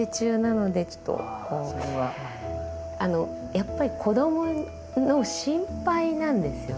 やっぱり子供の心配なんですよね。